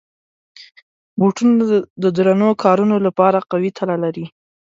بوټونه د درنو کارونو لپاره قوي تله لري.